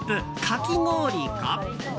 かき氷か。